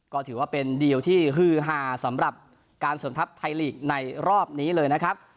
ก็ถือว่าเป็นดีลที่ฮือฮาสำหรับการเสริมทัพไทยลีกในรอบนี้เลยนะครับ